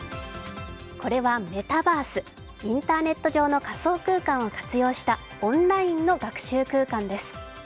これはメタバースインターネット上の仮想空間を活用したオンラインの学習空間です。